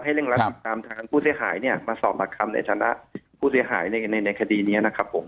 ให้เรื่องรัฐศึกษ์ตามทางผู้เสียหายเนี่ยมาสอบหลักคำในฐานะผู้เสียหายในคดีเนี่ยนะครับผม